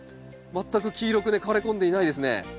全く黄色く枯れこんでいないですね。